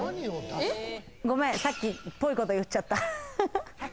ごめん、さっきっぽいこと言っちゃった。